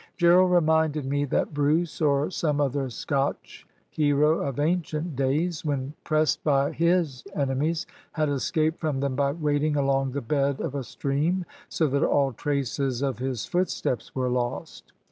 Gerald reminded me that Bruce, or some other Scotch hero of ancient days, when pressed by his enemies, had escaped from them by wading along the bed of a stream, so that all traces of his footsteps were lost.